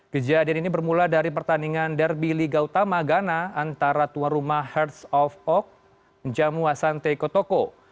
kejadian ini bermula dari pertandingan derby liga utama ghana antara tuan rumah hearts of ok jamu asante kotoko